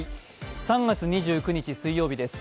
３月２９日水曜日です。